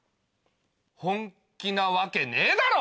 本気なわけねえだろ！